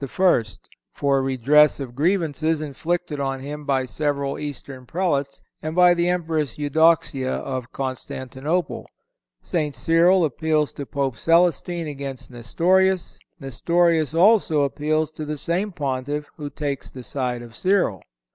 for a redress of grievances inflicted on him by several Eastern Prelates, and by the Empress Eudoxia of Constantinople. St. Cyril appeals to Pope Celestine against Nestorius; Nestorius, also, appeals to the same Pontiff, who takes the side of Cyril.